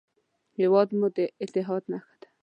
هېواد مو د اتحاد نښه ده